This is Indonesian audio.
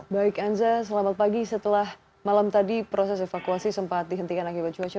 baik anza selamat pagi setelah malam tadi proses evakuasi sempat dihentikan akibat cuaca